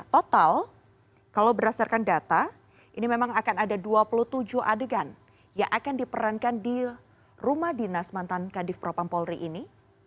total kalau berdasarkan data ini memang akan ada dua puluh tujuh adegan yang akan diperankan di rumah dinas mantan kadif propam polri ini